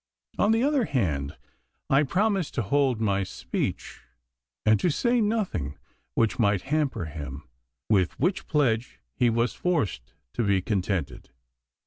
On the other hand, I promised to hold my speech and to say nothing which might hamper him, with which pledge he was forced to be contented.